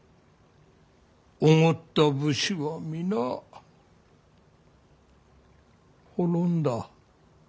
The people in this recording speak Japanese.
おごった武士は皆滅んだ。